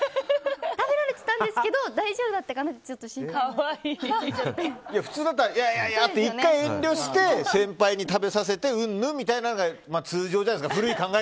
食べられてたんですけど大丈夫だったかなって普通だったらいやいやと１回遠慮して先輩に食べさせてうんぬんみたいなことが通常じゃないですか。